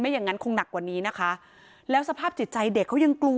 อย่างนั้นคงหนักกว่านี้นะคะแล้วสภาพจิตใจเด็กเขายังกลัว